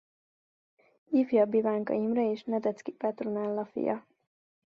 Ifjabb Ivánka Imre és Nedeczky Petronella fia.